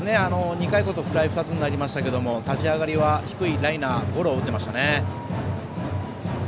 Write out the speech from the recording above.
２回こそフライが２つになりましたけど立ち上がりは低いライナーゴロを打ってましたね。